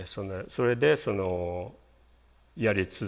それでそのやり続けられたと。